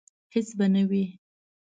هیڅ به نه وي